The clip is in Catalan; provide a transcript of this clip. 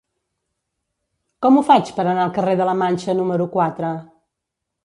Com ho faig per anar al carrer de la Manxa número quatre?